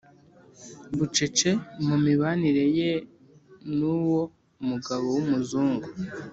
bucece mu mibanire ye n’uwo mugabo w’umuzungu